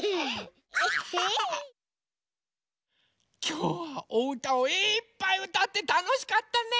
きょうはおうたをいっぱいうたってたのしかったね。